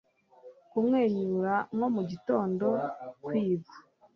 kumwenyura nko mu gitondo kwiba